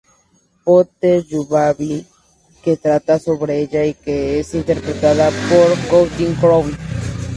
Potter Lullaby", que trata sobre ella y que es interpretada por Counting Crows.